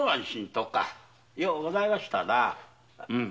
ようございましたな。